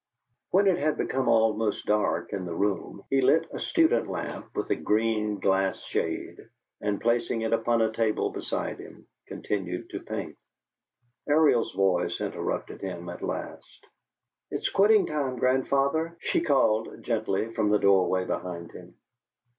When it had become almost dark in the room, he lit a student lamp with a green glass shade, and, placing it upon a table beside him, continued to paint. Ariel's voice interrupted him at last. "It's quitting time, grandfather," she called, gently, from the doorway behind him.